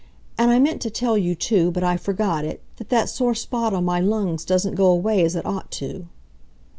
And I meant to tell you, too, but I forgot it, that that sore spot on my lungs doesn't go away as it ought to."